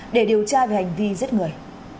để điều tra về hành vi giết người